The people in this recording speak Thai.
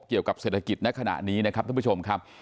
เกี่ยวกับเศรษฐกิจในขณะนี้นะครับท่านผู้ชมครับ